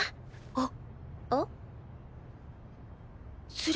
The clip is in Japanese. あっ。